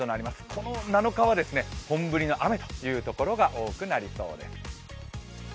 この７日は本降りの雨というところが多くなりそうです。